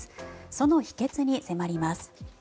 その秘けつに迫ります。